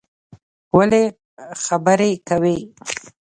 ولی خبری کوی